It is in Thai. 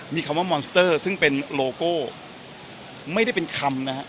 มีคำว่ามอนสเตอร์ซึ่งเป็นโลโก้ไม่ได้เป็นคำนะฮะ